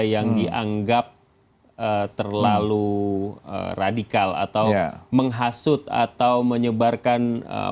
yang dianggap terlalu radikal atau menghasut atau menyebarkan